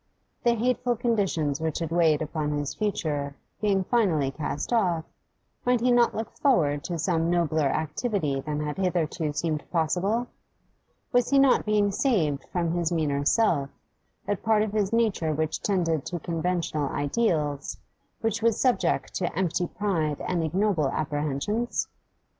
The hateful conditions which had weighed upon his future being finally cast off, might he not look forward to some nobler activity than had hitherto seemed possible? Was he not being saved from his meaner self, that part of his nature which tended to conventional ideals, which was subject to empty pride and ignoble apprehensions?